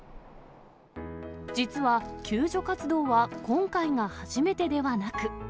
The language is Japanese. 実は、救助活動は今回が初めてではなく。